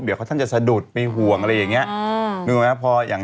มีคนในบ้านนะเป็นอะไร